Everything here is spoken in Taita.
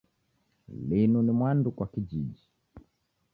Linu ni mwandu kwa kijiji